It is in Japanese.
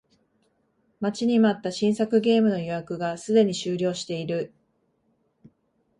待ちに待った新作ゲームの予約がすでに終了している